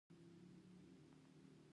کچالو، حبوبات او لوبیا یې کرل.